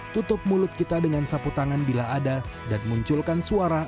tutup mulut kita dengan sapu tangan bila ada dan munculkan suara